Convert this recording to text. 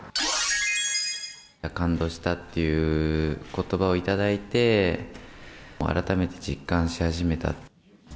感動したっていうことばを頂いて、改めて実感し始めた。